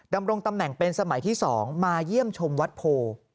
ดำรงตำแหน่งเป็นสมัยที่๒มาเยี่ยมชมวัดโพ